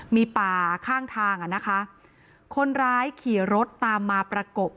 มีป่าข้างทางอ่ะนะคะคนร้ายขี่รถตามมาประกบ